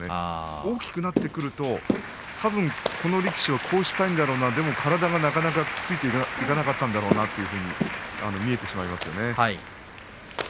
大きくなってくるとたぶんこの力士はこうしたいんだろうな、でも体がなかなかついていかないんだろうなというふうに見えてしまいますね。